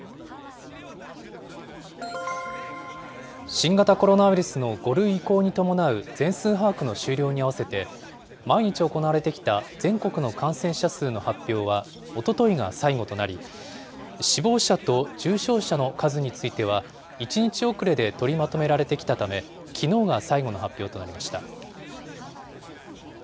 新型コロナウイルスの５類移行に伴う全数把握の終了に合わせて、毎日行われてきた全国の感染者数の発表は、おとといが最後となり、死亡者と重症者の数については、１日遅れで取りまとめられてきたため、きのうが最後の発表となりました。